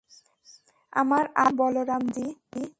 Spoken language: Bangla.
আমার আদরের বলরাম-জি।